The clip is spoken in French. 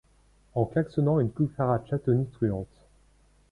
En klaxonnant une cucaracha tonitruante.